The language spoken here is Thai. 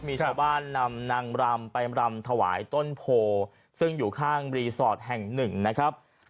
มีชาวบ้านนำนางรำไปรำถวายต้นโพซึ่งอยู่ข้างรีสอร์ทแห่งหนึ่งนะครับ